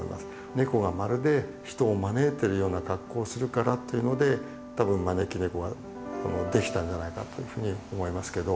猫がまるで人を招いてるような格好をするからっていうので多分招き猫ができたんじゃないかっていうふうに思いますけど。